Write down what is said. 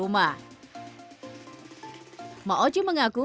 ma oci mengaku